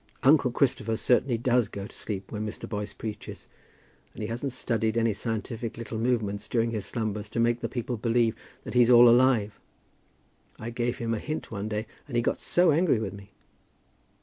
Uncle Christopher certainly does go to sleep when Mr. Boyce preaches, and he hasn't studied any scientific little movements during his slumbers to make the people believe that he's all alive. I gave him a hint one day, and he got so angry with me!"